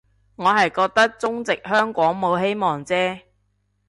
我係覺得中殖香港冇希望啫